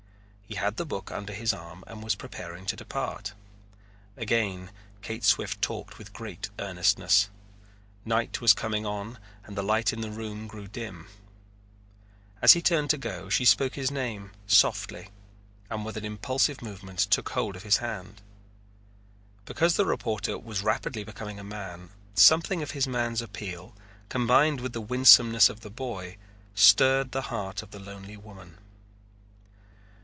He had the book under his arm and was preparing to depart. Again Kate Swift talked with great earnestness. Night was coming on and the light in the room grew dim. As he turned to go she spoke his name softly and with an impulsive movement took hold of his hand. Because the reporter was rapidly becoming a man something of his man's appeal, combined with the winsomeness of the boy, stirred the heart of the lonely woman.